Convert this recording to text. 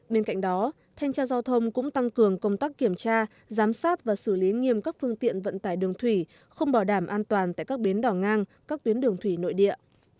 bên cạnh đó thanh tra giao thông cũng tăng cường công tác kiểm tra giám sát và xử lý nghiêm các phương tiện vận tải đường thủy không bảo đảm an toàn tại các bến đỏ ngang các tuyến đường thủy nội địa